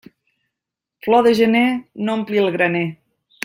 Flor de gener no ompli el graner.